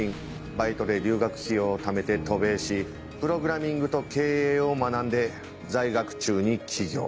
バイトで留学費用をためて渡米しプログラミングと経営を学んで在学中に起業。